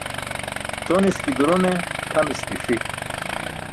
Coniski duro ne tʰamiski ṣi.